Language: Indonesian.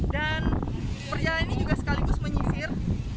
dan perjalanan ini juga sekaligus menyisir